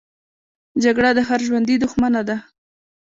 جګړه د هر ژوندي دښمنه ده